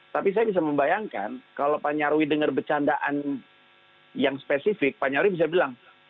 tapi saya bisa membayangkan kalau pak nyarwi dengar bercandaan yang spesifik pak nyarwi bisa bilang